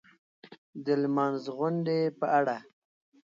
د لمانځغونډې په اړه